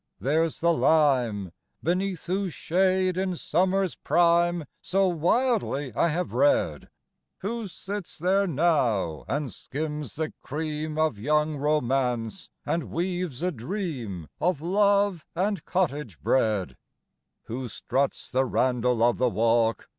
there's the lime, Beneath whose shade in summer's prime So wildly I have read! Who sits there now, and skims the cream Of young Romance, and weaves a dream Of Love and Cottage bread? VII. Who struts the Randall of the walk?